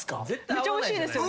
めっちゃおいしいですよね。